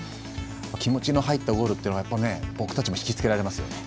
気持ちの入ったゴールというのは僕たちも引き付けられますよね